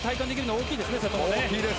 大きいですね。